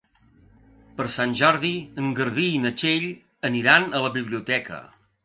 Per Sant Jordi en Garbí i na Txell aniran a la biblioteca.